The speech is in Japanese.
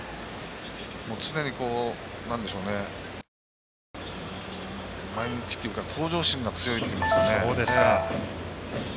常に前向きっていうか向上心が強いっていいますか。